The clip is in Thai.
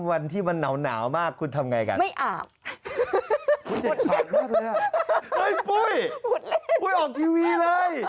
วันที่มันหนาวมากคุณทำไงกัน